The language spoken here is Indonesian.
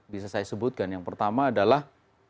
bisa saya sebutkan yang pertama adalah